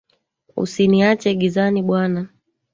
Usiniache gizani bwana